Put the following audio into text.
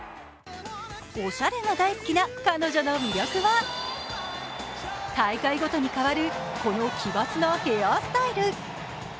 おしゃれが大好きな彼女の魅力は大会ごとに変わるこの奇抜なヘアスタイル。